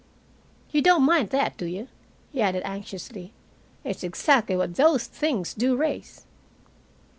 You don't mind that, do you?" he added anxiously. "It's exactly what those things do raise."